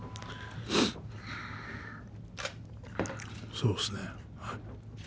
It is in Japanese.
そうですね。